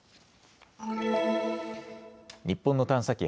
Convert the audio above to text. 日本の探査機